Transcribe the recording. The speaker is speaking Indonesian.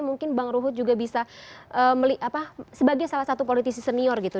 mungkin bang ruhut juga bisa sebagai salah satu politisi senior gitu